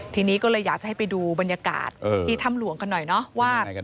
ทีนี้ก็เลยอยากจะให้ไปดูบรรยากาศที่ถ้ำหลวงกันหน่อยเนาะว่า